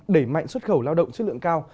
đẩy mạnh xuất khẩu lao động chất lượng cao